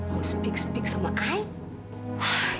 mau speak speak sama ayah